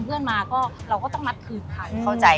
โปะอันนี้